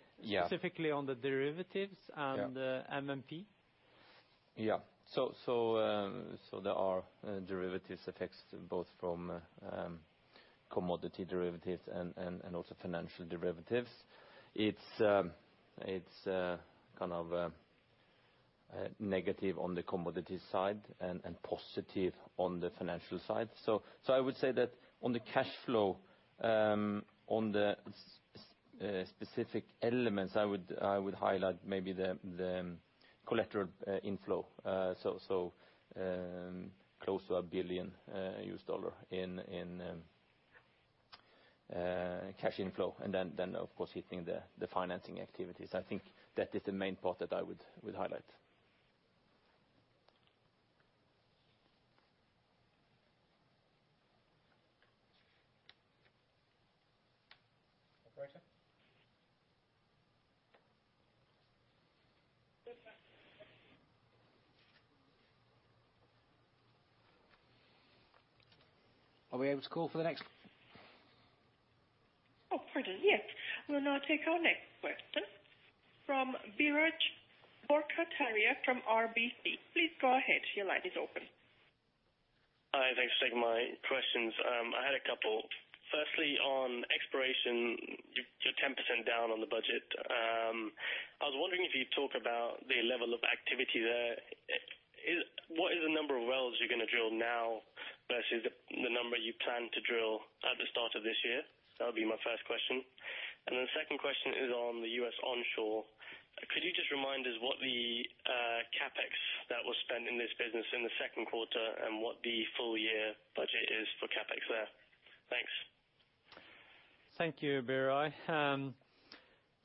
Specifically on the derivatives Yeah. MMP. There are derivatives effects both from commodity derivatives and also financial derivatives. It's kind of negative on the commodity side and positive on the financial side. I would say that on the cash flow, on the specific elements, I would highlight maybe the collateral inflow. Close to $1 billion in cash inflow. Then, of course, hitting the financing activities. I think that is the main part that I would highlight. Operator? Are we able to call for the next? Oh, pardon. Yes. We'll now take our next question from Biraj Borkhataria from RBC. Please go ahead. Your line is open. Hi, thanks for taking my questions. I had a couple. Firstly, on exploration, you're 10% down on the budget. I was wondering if you'd talk about the level of activity there. What is the number of wells you're gonna drill now versus the number you plan to drill at the start of this year? That'll be my first question. Then the second question is on the U.S. onshore. Could you just remind us what the CapEx that was spent in this business in the second quarter, and what the full year budget is for CapEx there? Thanks. Thank you, Biraj.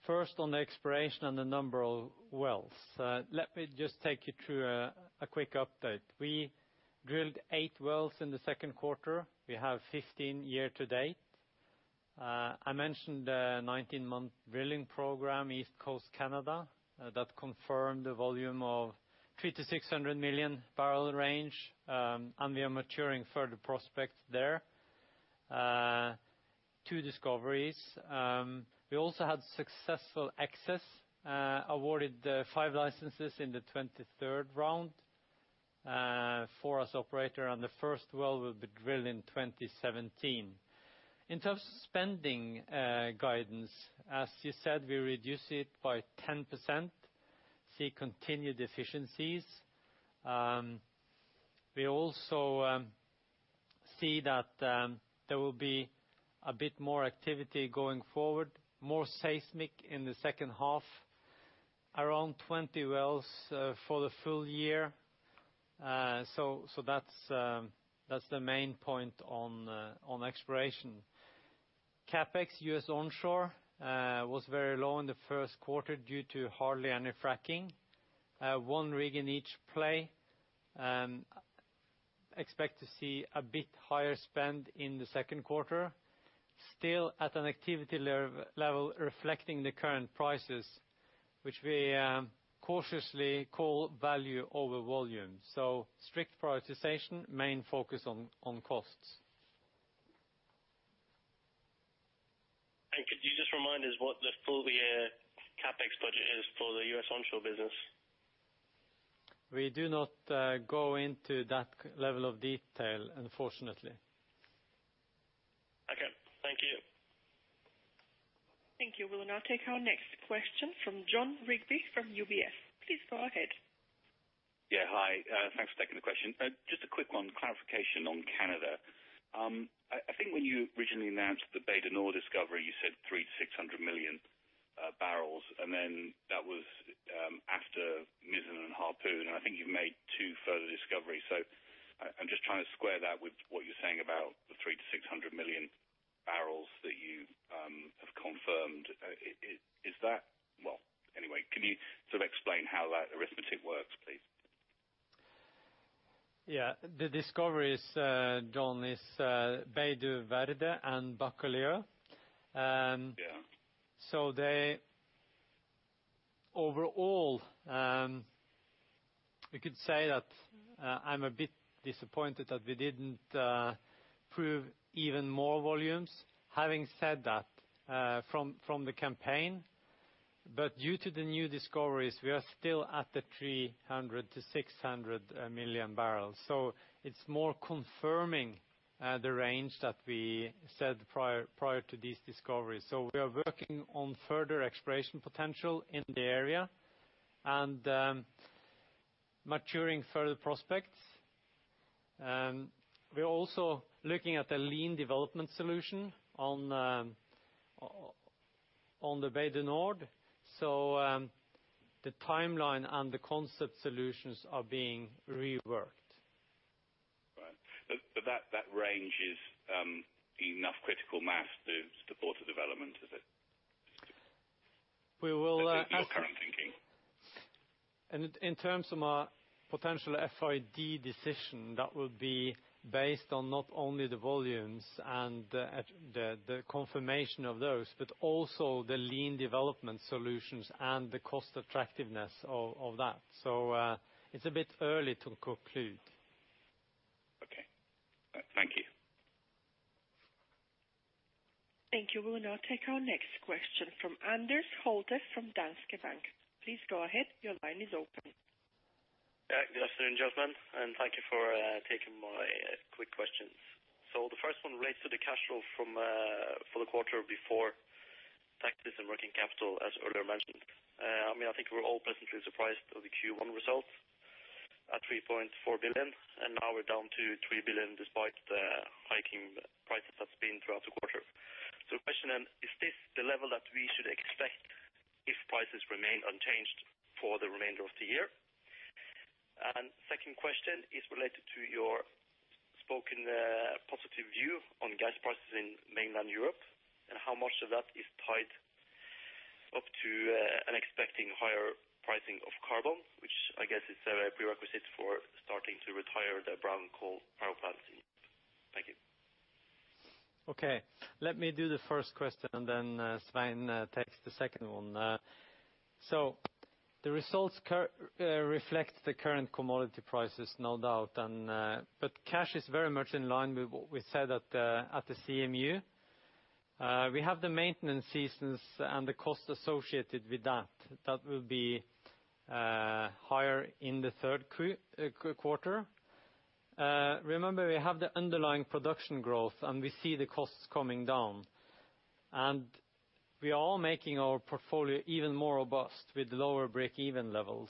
First on the exploration and the number of wells. Let me just take you through a quick update. We drilled eight wells in the second quarter. We have 15 year to date. I mentioned the 19-month drilling program, East Coast Canada, that confirmed the volume of 300 million-600 million barrel range. We are maturing further prospects there. Two discoveries. We also had success. We were awarded five licenses in the 23rd round. Four as operator on the first well will be drilled in 2017. In terms of spending guidance, as you said, we reduce it by 10%, see continued efficiencies. We also see that there will be a bit more activity going forward, more seismic in the second half, around 20 wells, for the full year. That's the main point on exploration. CapEx U.S. onshore was very low in the first quarter due to hardly any fracking. One rig in each play. Expect to see a bit higher spend in the second quarter. Still at an activity level reflecting the current prices, which we cautiously call value over volume. Strict prioritization, main focus on costs. Could you just remind us what the full year CapEx budget is for the U.S. onshore business? We do not go into that level of detail, unfortunately. Okay. Thank you. Thank you. We'll now take our next question from Jon Rigby from UBS. Please go ahead. Yeah. Hi, thanks for taking the question. Just a quick one, clarification on Canada. I think when you originally announced the Bay du Nord discovery, you said 300 million-600 million barrels, and then that was after Mizzen and Harpoon. I think you've made two further discoveries. I'm just trying to square that with what you're saying about the 300 million-600 million barrels that you have confirmed. Well, anyway, can you sort of explain how that arithmetic works, please? Yeah. The discoveries, Jon, is Bay de Verde and Baccalieu. Yeah. They overall, we could say that, I'm a bit disappointed that we didn't prove even more volumes. Having said that, from the campaign. But due to the new discoveries, we are still at the 300 million-600 million barrels. It's more confirming the range that we said prior to these discoveries. We are working on further exploration potential in the area and maturing further prospects. We are also looking at the lean development solution on the Bay du Nord. The timeline and the concept solutions are being reworked. Right. That range is enough critical mass to support the development, is it? We will. That's your current thinking. In terms of our potential FID decision, that will be based on not only the volumes and the confirmation of those, but also the lean development solutions and the cost attractiveness of that. It's a bit early to conclude. Okay. Thank you. Thank you. We will now take our next question from Anders Holte from Danske Bank. Please go ahead. Your line is open. Good afternoon, gentlemen, and thank you for taking my quick questions. The first one relates to the cash flow from for the quarter before taxes and working capital, as earlier mentioned. I mean, I think we're all pleasantly surprised of the Q1 results at $3.4 billion, and now we're down to $3 billion despite the higher prices that have been throughout the quarter. Question then, is this the level that we should expect if prices remain unchanged for the remainder of the year? Second question is related to your spoken positive view on gas prices in mainland Europe, and how much of that is tied to and expecting higher pricing of carbon, which I guess is a prerequisite for starting to retire the brown coal power plants in Europe. Thank you. Okay. Let me do the first question, and then Svein takes the second one. The results reflect the current commodity prices no doubt, but cash is very much in line with what we said at the CMU. We have the maintenance seasons and the cost associated with that. That will be higher in the third quarter. Remember, we have the underlying production growth, and we see the costs coming down. We are all making our portfolio even more robust with lower break-even levels.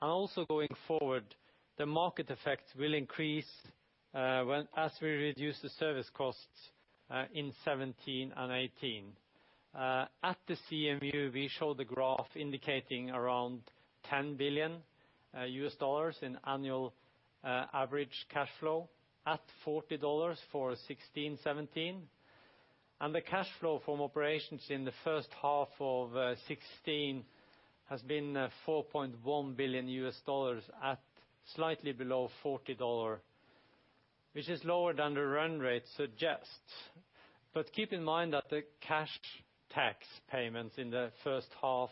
Also going forward, the market effect will increase when as we reduce the service costs in 2017 and 2018. At the CMU, we showed the graph indicating around $10 billion in annual average cash flow at $40 for 2016-2017. The cash flow from operations in the first half of 2016 has been $4.1 billion at slightly below $40, which is lower than the run rate suggests. Keep in mind that the cash tax payments in the first half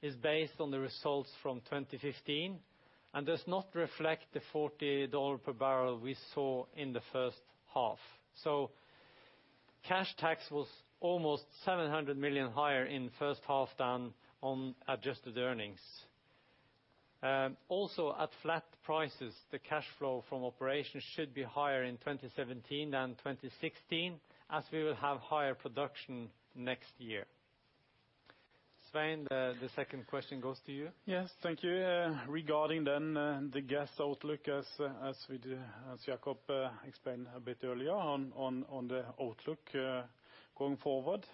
is based on the results from 2015 and does not reflect the $40 per barrel we saw in the first half. Cash tax was almost $700 million higher in first half than on adjusted earnings. Also at flat prices, the cash flow from operations should be higher in 2017 than 2016, as we will have higher production next year. Svein, the second question goes to you. Yes. Thank you. Regarding the gas outlook as we do, as Jakob explained a bit earlier on the outlook going forward.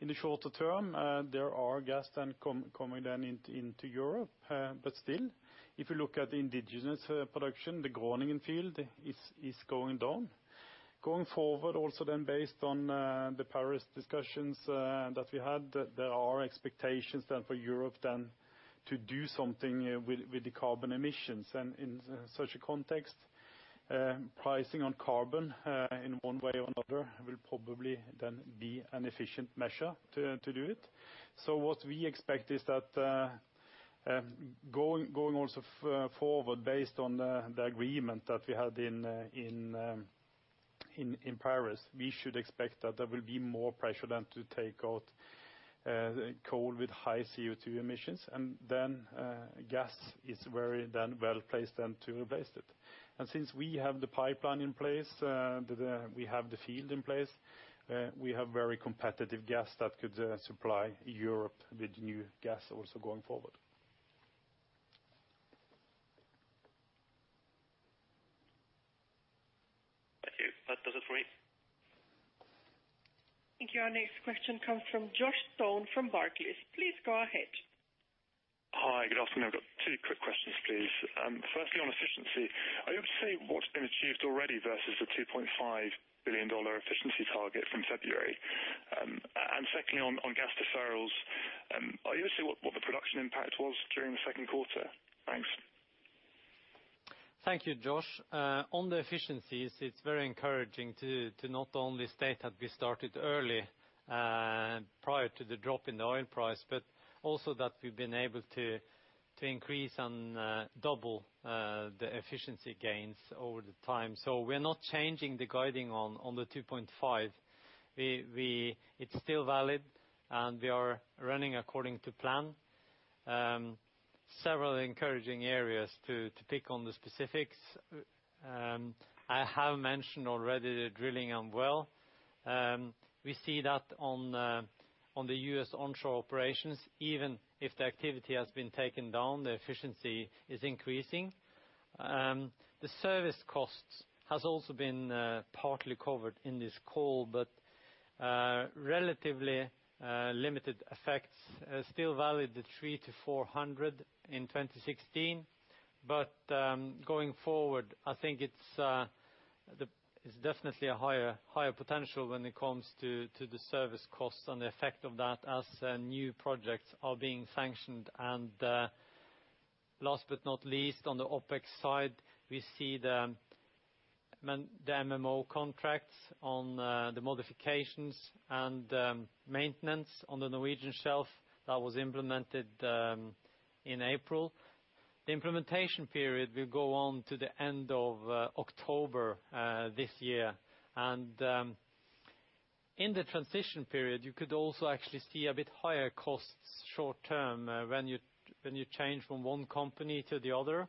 In the shorter term, there are gas coming into Europe. But still, if you look at the indigenous production, the Groningen field is going down. Going forward also based on the Paris discussions that we had, there are expectations for Europe to do something with the carbon emissions. In such a context, pricing on carbon in one way or another will probably be an efficient measure to do it. What we expect is that, going also forward based on the agreement that we had in Paris, we should expect that there will be more pressure to take out coal with high CO2 emissions. Gas is very well-placed to replace it. Since we have the pipeline in place, we have the field in place, we have very competitive gas that could supply Europe with new gas also going forward. Thank you. That does it for me. Thank you. Our next question comes from Joshua Stone from Barclays. Please go ahead. Hi. Good afternoon. I've got two quick questions, please. Firstly, on efficiency, are you able to say what's been achieved already versus the $2.5 billion efficiency target from February? Secondly on gas deferrals, are you able to say what the production impact was during the second quarter? Thanks. Thank you, Josh. On the efficiencies, it's very encouraging to not only state that we started early prior to the drop in the oil price, but also that we've been able to increase and double the efficiency gains over time. We're not changing the guiding on the $2.5 billion. It's still valid, and we are running according to plan. Several encouraging areas to pick on the specifics. I have mentioned already the drilling on well. We see that on the U.S. onshore operations. Even if the activity has been taken down, the efficiency is increasing. The service costs has also been partly covered in this call, but relatively limited effects are still valid, the $300 million-$400 million in 2016. Going forward, I think it's definitely a higher potential when it comes to the service costs and the effect of that as new projects are being sanctioned. Last but not least, on the OpEx side, we see the MMO contracts on the modifications and maintenance on the Norwegian shelf that was implemented in April. The implementation period will go on to the end of October this year. In the transition period, you could also actually see a bit higher costs short-term when you change from one company to the other.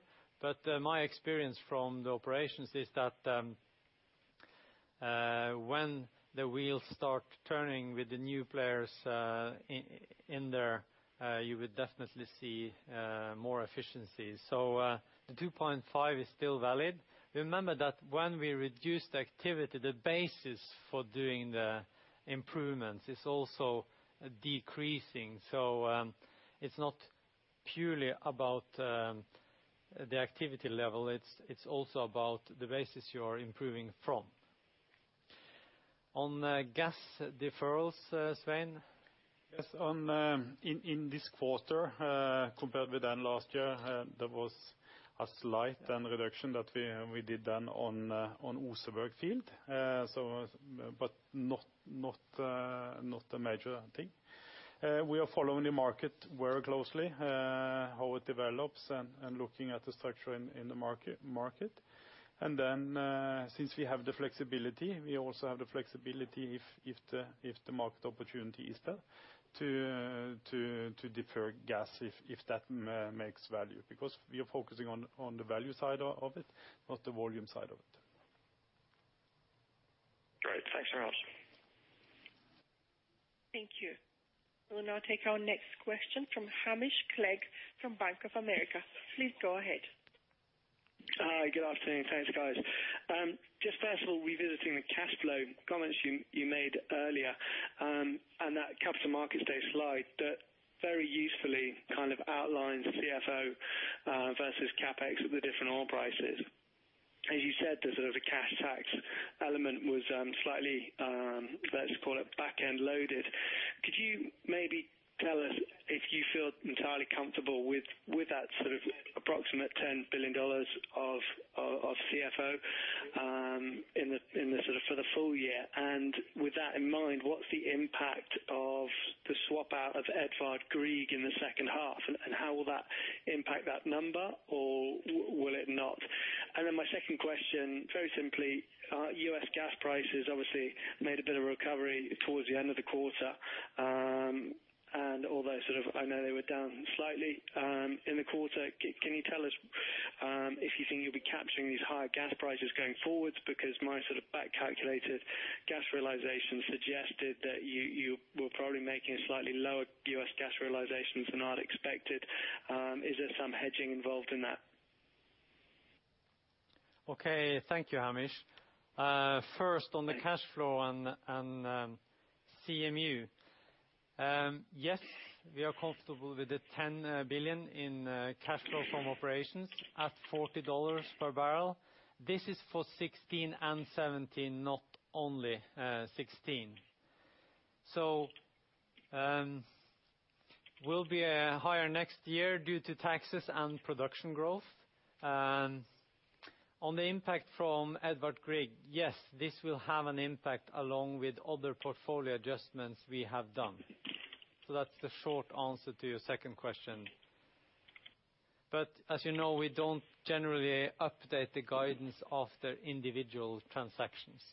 My experience from the operations is that when the wheels start turning with the new players in there you would definitely see more efficiency. The $2.5 billion is still valid. Remember that when we reduce the activity, the basis for doing the improvements is also decreasing. It's not purely about the activity level. It's also about the basis you are improving from. On gas deferrals, Svein. Yes. In this quarter compared with the last year there was a slight reduction that we did then on Oseberg field. But not a major, I think. We are following the market very closely how it develops and looking at the structure in the market. Since we have the flexibility, we also have the flexibility if the market opportunity is there to defer gas if that makes value. Because we are focusing on the value side of it, not the volume side of it. Great. Thanks very much. Thank you. We'll now take our next question from Hamish Clegg from Bank of America. Please go ahead. Hi, good afternoon. Thanks, guys. Just first of all, revisiting the cash flow comments you made earlier, on that capital markets day slide that very usefully kind of outlines CFO versus CapEx at the different oil prices. As you said, the sort of cash tax element was slightly, let's call it back-end loaded. Could you maybe tell us if you feel entirely comfortable with that sort of approximate $10 billion of CFO for the full year? With that in mind, what's the impact of the swap out of Edvard Grieg in the second half? How will that impact that number, or will it not? My second question, very simply, U.S. gas prices obviously made a bit of a recovery towards the end of the quarter. Although sort of I know they were down slightly in the quarter, can you tell us if you think you'll be capturing these higher gas prices going forwards? Because my sort of back-calculated gas realization suggested that you were probably making a slightly lower U.S. gas realization than I'd expected. Is there some hedging involved in that? Okay. Thank you, Hamish. First, on the cash flow and CMU. Yes, we are comfortable with the $10 billion in cash flow from operations at $40 per barrel. This is for 2016 and 2017, not only 2016. We'll be higher next year due to taxes and production growth. On the impact from Edvard Grieg, yes, this will have an impact along with other portfolio adjustments we have done. That's the short answer to your second question. As you know, we don't generally update the guidance after individual transactions.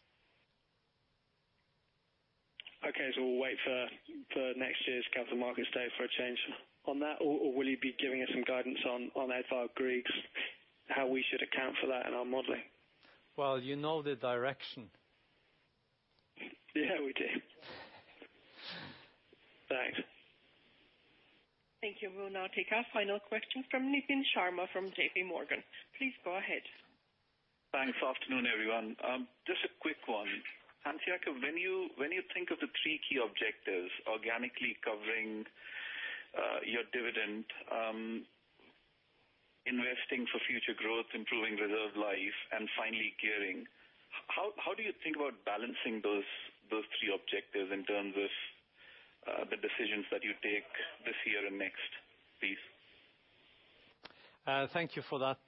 Okay. We'll wait for next year's capital markets day for a change on that. Or will you be giving us some guidance on Edvard Grieg's, how we should account for that in our modeling? Well, you know the direction. Yeah, we do. Thanks. Thank you. We'll now take our final question from Nitin Sharma from JPMorgan. Please go ahead. Thanks. Afternoon, everyone. Just a quick one. Hans Jakob Hegge, when you think of the three key objectives, organically covering your dividend, investing for future growth, improving reserve life, and finally gearing, how do you think about balancing those three objectives in terms of the decisions that you take this year and next, please? Thank you for that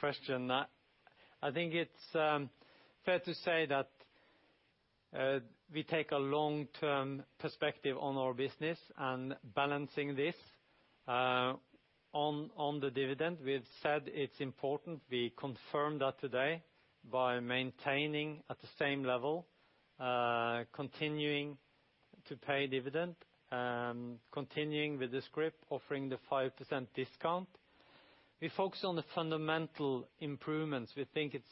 question. I think it's fair to say that we take a long-term perspective on our business and balancing this on the dividend. We've said it's important, we confirm that today by maintaining at the same level, continuing to pay dividend, continuing with the scrip, offering the 5% discount. We focus on the fundamental improvements. We think it's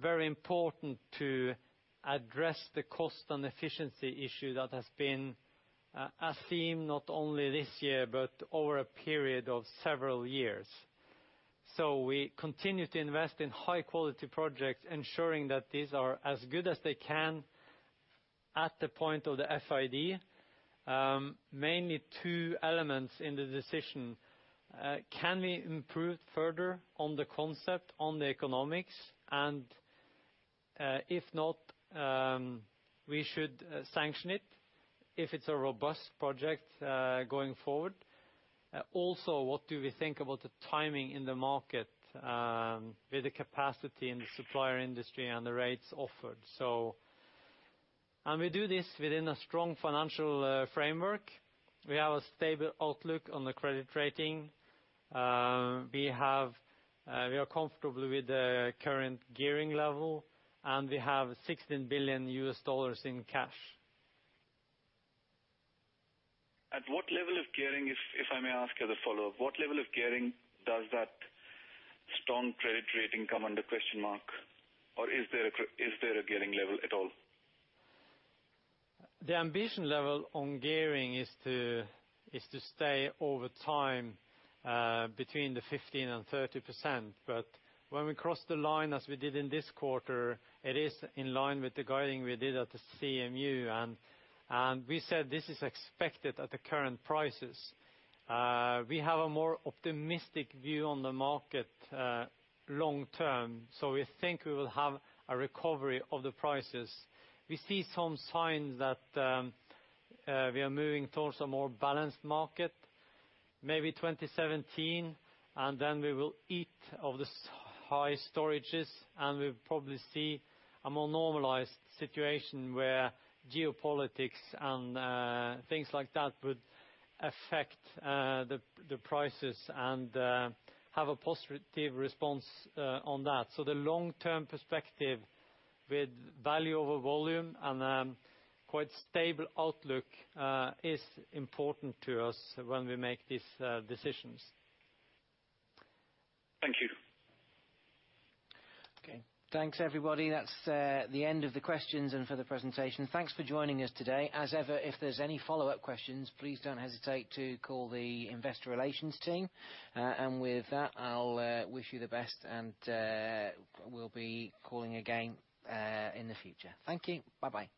very important to address the cost and efficiency issue that has been a theme not only this year, but over a period of several years. We continue to invest in high-quality projects, ensuring that these are as good as they can at the point of the FID. Mainly two elements in the decision. Can we improve further on the concept, on the economics? If not, we should sanction it if it's a robust project going forward. Also, what do we think about the timing in the market with the capacity in the supplier industry and the rates offered? We do this within a strong financial framework. We have a stable outlook on the credit rating. We have, we are comfortable with the current gearing level, and we have $16 billion in cash. At what level of gearing, if I may ask as a follow-up, what level of gearing does that strong credit rating come into question? Or is there a gearing level at all? The ambition level on gearing is to stay over time between 15% and 30%. When we cross the line, as we did in this quarter, it is in line with the guidance we did at the CMU. We said this is expected at the current prices. We have a more optimistic view on the market long term, so we think we will have a recovery of the prices. We see some signs that we are moving towards a more balanced market, maybe 2017, and then we will eat out of the high storages, and we'll probably see a more normalized situation where geopolitics and things like that would affect the prices and have a positive response on that. The long-term perspective with value over volume and quite stable outlook is important to us when we make these decisions. Thank you. Okay. Thanks, everybody. That's the end of the questions and of the presentation. Thanks for joining us today. As ever, if there's any follow-up questions, please don't hesitate to call the Investor Relations team. With that, I'll wish you the best, and we'll be calling again in the future. Thank you. Bye-bye.